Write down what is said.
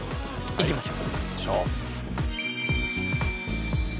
行きましょう。